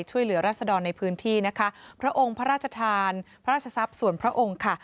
รัศดรในพื้นที่นะคะพระองค์พระราชทานพระราชทรัพย์ส่วนพระองค์ค่ะ